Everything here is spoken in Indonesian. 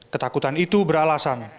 ketakutan itu beralasan